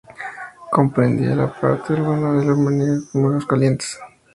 Comprendía la parte urbana del municipio de Aguascalientes.